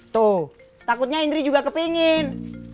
tuh takutnya indri juga kepingin